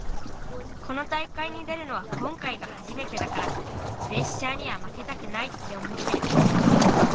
このたいかいに出るのはこんかいがはじめてだからプレッシャーにはまけたくないっておもってる。